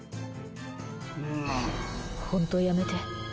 本当やめて。